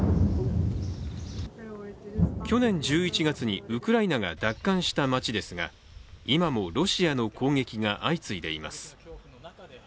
去年１１月にウクライナが奪還した街ですが今もロシアの攻撃が相次いでいます。